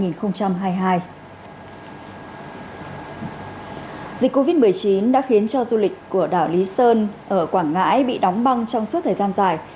dịch covid một mươi chín đã khiến cho du lịch của đảo lý sơn ở quảng ngãi bị đóng băng trong suốt thời gian dài